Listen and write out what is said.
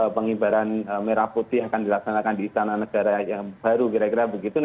pengibaran merah putih akan dilaksanakan di istana negara yang baru kira kira begitu